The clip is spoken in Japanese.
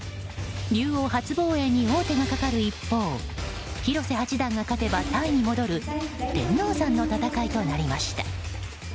竜王初防衛に王手がかかる一方広瀬八段が勝てばタイに戻る天王山の戦いになりました。